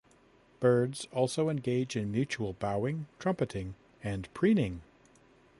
Birds also engage in mutual bowing, trumpeting, and preening.